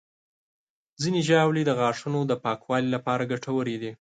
ځینې ژاولې د غاښونو د پاکوالي لپاره ګټورې دي.